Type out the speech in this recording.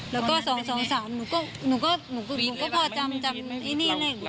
แล้วก็๒๒๓ผมก็รู้เราถูกน้อยมานี้